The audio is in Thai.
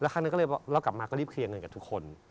แล้วครั้งนึงก็เรียบกลับมาก็รีบเคลียร์เงินกับทุกคน